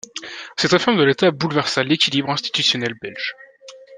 Cette réforme de l'État bouleversa l'équilibre institutionnel belge.